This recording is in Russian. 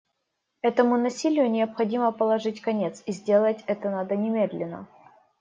Этому насилию необходимо положить конец, и сделать это надо немедленно.